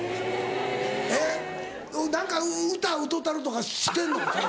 えっ何か歌歌うたりとかしてんの？